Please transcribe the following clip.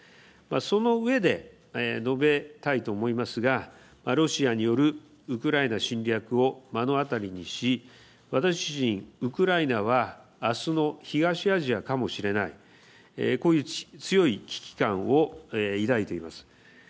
そのうえで述べたいと思いますがロシアによるウクライナ侵略を目の当たりにし、私自身、ウクライナはあすの東アジアかもしれないこういう強い危機感を抱いています。